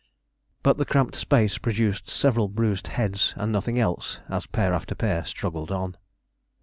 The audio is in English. But the cramped space produced several bruised heads and nothing else as pair after pair struggled on.